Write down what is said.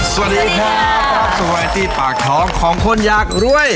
สวัสดีค่ะป๊อปสวัสดีปากท้องของคนอยากรวย